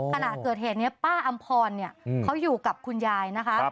ขนาดเกิดเหตุเนี่ยป้าอำพอลเนี่ยเขาอยู่กับคุณยายนะคะ